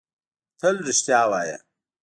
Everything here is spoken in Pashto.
تل رښتیا وایۀ!